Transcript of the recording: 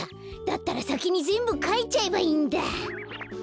だったらさきにぜんぶかいちゃえばいいんだ。